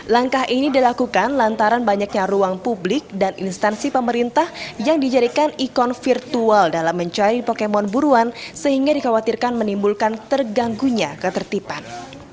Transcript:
langkah ini dilakukan lantaran banyaknya ruang publik dan instansi pemerintah yang dijadikan ikon virtual dalam mencari pokemon buruan sehingga dikhawatirkan menimbulkan terganggunya ketertiban